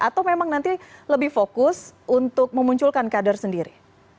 atau memang nanti lebih fokus untuk memunculkan kader sendiri